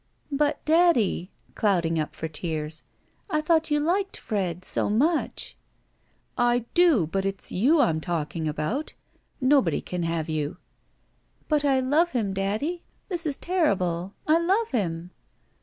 "But, daddy," clouding up for tears, "I thought you liked Fred so much!" "I do, but it's you I'm talking about. Nobody can have you." "But I love him, daddy. This is terrible. I love him."